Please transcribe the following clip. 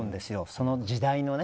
その時代のね。